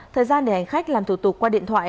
thời gian để hành khách làm thủ tục qua điện thoại